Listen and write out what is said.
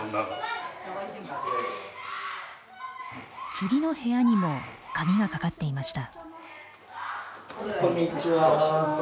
次の部屋にも鍵がかかっていました。